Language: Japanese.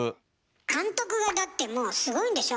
監督がだってもうすごいんでしょ？